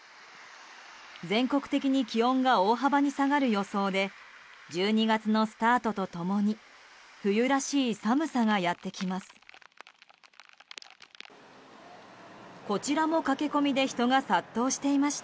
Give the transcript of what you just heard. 全国的に気温が大幅に下がる予想で１２月のスタートと共に冬らしい寒さがやってきます。